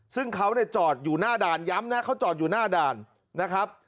ซึ่งเขาเนี่ยจอดอยู่หน้าด่านย้ำนะเขาจอดอยู่หน้าด่านนะครับ